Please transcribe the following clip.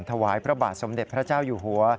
ถวายพระบาทสมเด็จพระเจ้าอยู่หัว